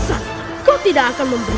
maka aku mengambil